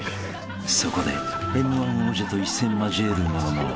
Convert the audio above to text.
［そこでＭ−１王者と一戦交えるものの］